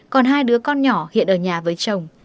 còn hai đứa con nhỏ hiện ở nhà với chồng